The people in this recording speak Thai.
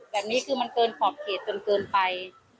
แบบนี้คือมันเกินขอบเขตจนเกินไป